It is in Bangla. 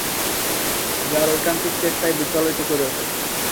যার ঐকান্তিক চেষ্টায় বিদ্যালয়টি গড়ে ওঠে।